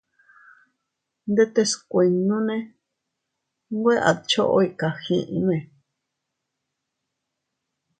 Ndetes kuinnone nwe a dchoy kakayiʼime.